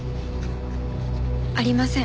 ありません。